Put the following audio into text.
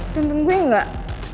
tuntun gue enggak